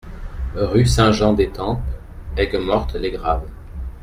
Rue Saint-Jean d'Etampes, Ayguemorte-les-Graves